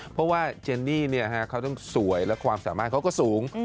เพราะว่าเจนนี่เขาต้องสวยและความสามารถเขาก็สูง